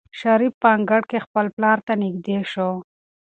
شریف په انګړ کې خپل پلار ته نږدې شو.